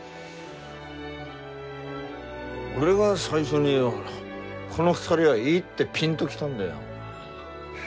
俺が最初にこの２人はいいってピンと来たんだよ。